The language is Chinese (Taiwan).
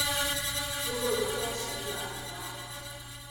如果有在閒聊以外